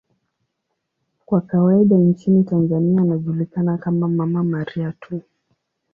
Kwa kawaida nchini Tanzania anajulikana kama 'Mama Maria' tu.